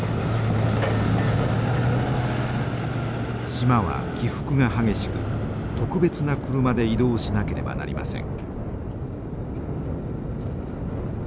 島は起伏が激しく特別な車で移動しなければなりません。